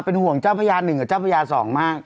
เป็นห่วงเจ้าพระยา๑กับเจ้าพระยา๒มาก